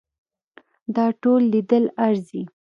دا ټول لیدل ارزي.